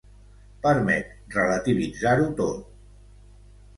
Permet relativitzar-ho tot.